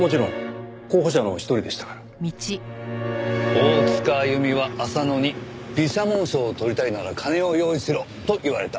大塚あゆみは浅野に美写紋賞を取りたいなら金を用意しろと言われた。